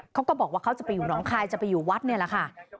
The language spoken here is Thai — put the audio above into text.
เขาก็บอกว่าเขาจะไปอยู่น้องคายจะไปอยู่วัดนี่แหละค่ะ